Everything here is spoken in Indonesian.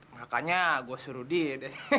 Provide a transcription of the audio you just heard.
makanya gue suruh dia